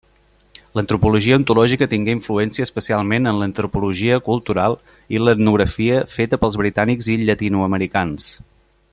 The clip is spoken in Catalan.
L'antropologia ontològica tingué influència especialment en l'antropologia cultural i l'etnografia feta pels britànics i llatinoamericans.